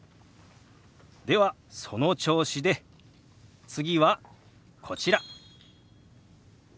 ではその調子で次はこちら。